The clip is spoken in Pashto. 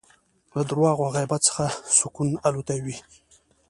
له درواغو او غیبت څخه سکون الوتی وي